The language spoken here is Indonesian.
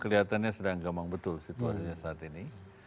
yang sedang gampang betul situasinya saat ini